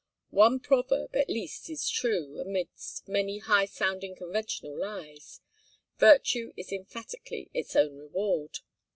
One proverb, at least, is true, amidst many high sounding, conventional lies. Virtue is emphatically its own reward.